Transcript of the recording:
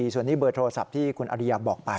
ส่วนนี้เบอร์โทรศัพท์ที่คุณอริยาบอกไป